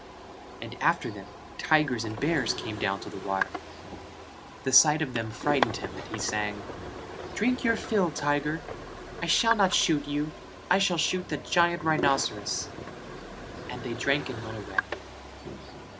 And after them tigers and bears came down to the water: the sight of them frightened him and he sang: "Drink your fill, tiger, I shall not shoot you. I shall shoot the giant rhinceros." and they drank and went away.